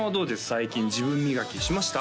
最近自分磨きしました？